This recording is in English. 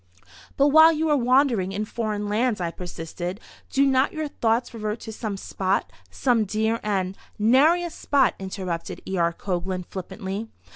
"But while you are wandering in foreign lands," I persisted, "do not your thoughts revert to some spot—some dear and—" "Nary a spot," interrupted E. R. Coglan, flippantly.